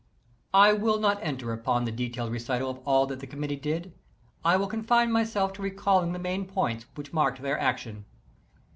I will not enter upon the detailed recital of all that the committee did ; I will confine myself to recalling the main points which marked their action.